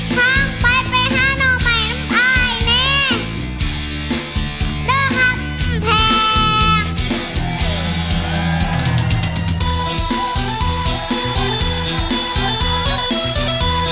ทั้งไปไปห้านอกแม่น้ำอายแน่